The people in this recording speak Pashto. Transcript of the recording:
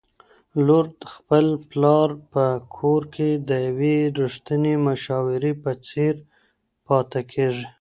لورد خپل پلار په کور کي د یوې رښتینې مشاورې په څېر پاته کيږي